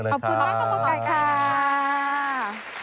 ขอบคุณมากทุกคนค่ะ